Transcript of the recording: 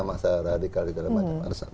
masyarakat radikal masyarakat masyarakat